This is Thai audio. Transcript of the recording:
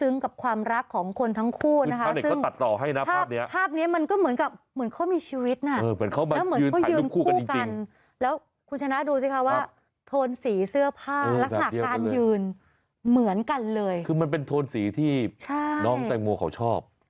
น้องแต่งมัวเขาชอบ